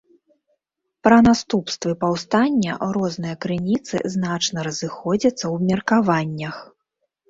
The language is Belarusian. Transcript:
Пра наступствы паўстання розныя крыніцы значна разыходзяцца ў меркаваннях.